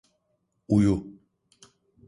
Uyu.